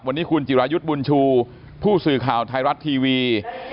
วันนี้คุณจิรายุทธ์บุญชูผู้สื่อข่าวไทยรัฐทีวี